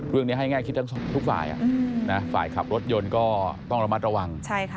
เรื่องนี้ให้แง่คิดทั้งทุกฝ่ายฝ่ายขับรถยนต์ก็ต้องระมัดระวัง